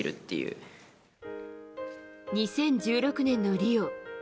２０１６年のリオ。